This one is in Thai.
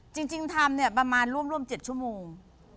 จริงทำเนี่ยประมาณร่วม๗ชั่วโมง